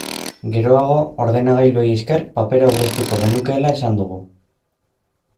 Geroago, ordenagailuei esker, papera aurreztuko genukeela esan dugu.